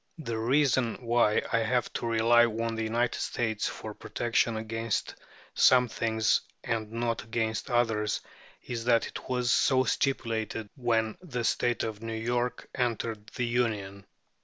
The reason why I have to rely on the United States for protection against some things and not against others is that it was so stipulated when the State of New York entered the Union.